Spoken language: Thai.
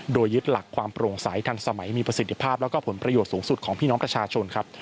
โดยยึดหลักความโปร่งใสทันสมัยมีประสิทธิภาพแล้วก็ผลประโยชน์สูงสุดของพี่น้องประชาชนครับ